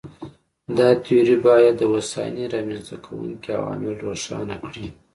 دا تیوري باید د هوساینې رامنځته کوونکي عوامل روښانه کړي.